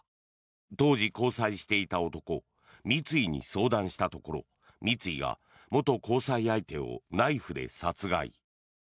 当時交際していた男三井に相談したところ三井が元交際相手をナイフで殺害。